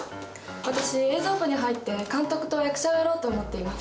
私映像部に入って監督と役者をやろうと思っています。